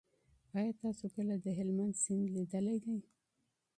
آیا تاسو کله د هلمند سیند لیدلی دی؟